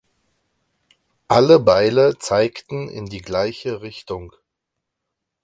Alle Beile zeigten in die gleiche Richtung.